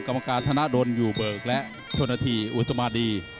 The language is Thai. กรรมการธนดลอยู่เบิกและชนนาธีอุศมาดี